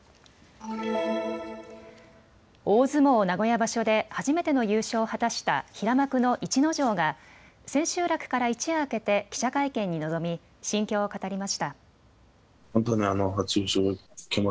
大相撲名古屋場所で初めての優勝を果たした平幕の逸ノ城が千秋楽から一夜明けて記者会見に臨み心境を語りました。